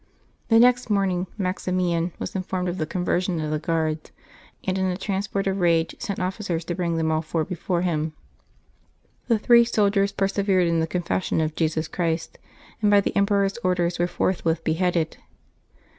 The next morning Maximian was informed of the conversion of the guards, and in a transport of rage sent officers to bring them all four before him. The three soldiers persevered in the confession of Jesus Christ, and by the emperor's orders were forthwith beheaded.